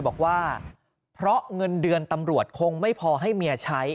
บอกว่าเพราะเงินเดือนตำรวจคงไม่พอให้เมียใช้